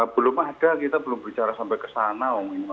belum ada kita belum bicara sampai ke sana